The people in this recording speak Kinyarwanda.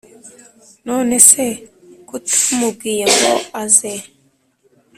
nonese ko utamubwiye ngo aze